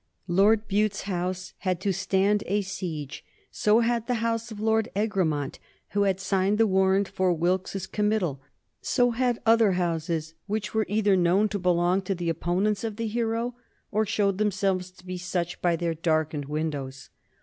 Lord Bute's house had to stand a siege; so had the house of Lord Egremont, who had signed the warrant for Wilkes's committal; so had other houses which were either known to belong to the opponents of the hero or showed themselves to be such by their darkened windows.